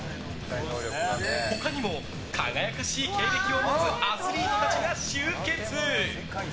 他にも輝かしい経歴を持つアスリートたちが集結。